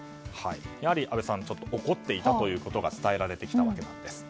やはり安倍さん怒っていたということが伝えられたわけです。